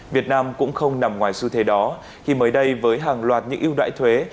việt nam cũng không nằm ngoài xu thế đó khi mới đây với hàng loạt những ưu đại thuế